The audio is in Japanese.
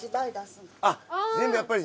・あっ全部やっぱり？